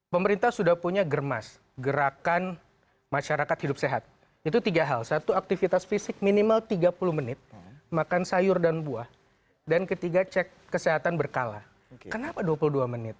pemerintah sudah punya germas gerakan masyarakat hidup sehat itu tiga hal satu aktivitas fisik minimal tiga puluh menit makan sayur dan buah dan ketiga cek kesehatan berkala kenapa dua puluh dua menit